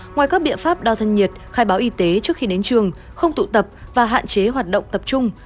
ngoài các biện pháp đo thân nhiệt khai báo y tế trước khi đến trường không tụ tập và hạn chế hoạt động tập trung